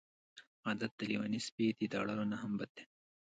عادت د لیوني سپي د داړلو نه هم بد دی.